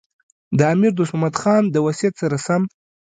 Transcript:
د امیر دوست محمد خان د وصیت سره سم.